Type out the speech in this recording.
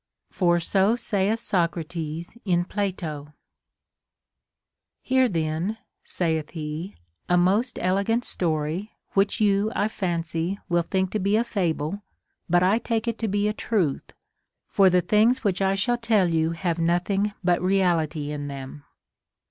For so saith Socrates in Plato :—" Hear then," saith he, " a most elegant story, Avhich you, 1 fancy, will think to be a fable, but I take it to be a truth, for the things Avhich I shall tell you have nothing but real ity in them.